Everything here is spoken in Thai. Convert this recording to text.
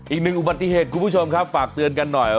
อีกหนึ่งอุบัติเหตุคุณผู้ชมครับฝากเตือนกันหน่อย